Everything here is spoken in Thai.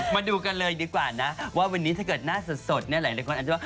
มาดูกันเลยดีกว่านะว่าวันนี้ถ้าเกิดหน้าสดเนี่ยหลายคนอาจจะว่า